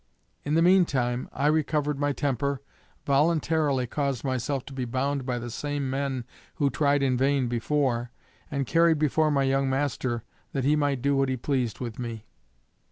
In the mean time I recovered my temper, voluntarily caused myself to be bound by the same men who tried in vain before, and carried before my young master, that he might do what he pleased with me.